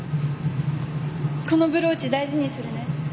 このブローチ大事にするね。